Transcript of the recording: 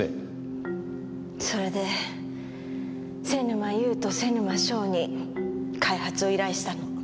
それで瀬沼優と瀬沼翔に開発を依頼したの。